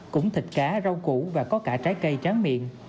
cũng thịt cá rau củ và có cả trái cây tráng miệng